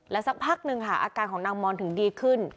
สักพักหนึ่งค่ะอาการของนางมอนถึงดีขึ้น